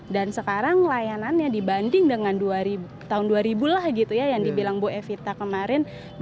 dan sekarang layanannya dibanding dengan tahun dua ribu lah gitu ya yang dibilang bu evita kemarin